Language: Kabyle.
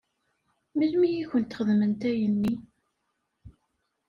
Melmi i kent-xedment ayenni?